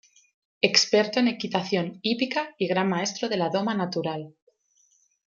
Experto en equitación, hípica y gran maestro de la doma natural.